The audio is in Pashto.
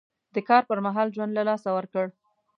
د کار پر مهال ژوند له لاسه ورکړ.